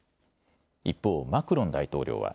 一方、マクロン大統領は。